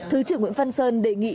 thứ trưởng nguyễn văn sơn đề nghị